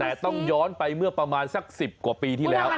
แต่ต้องย้อนไปเมื่อประมาณสัก๑๐กว่าปีที่แล้ว